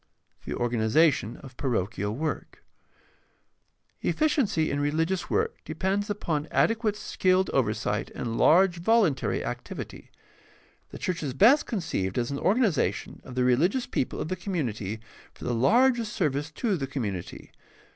The organization of parochial work. — Efficiency in reli gious work depends upon adequate skilled oversight and large voluntary activity. The church is best conceived as an organization of the religious people of the community for the largest service to the community.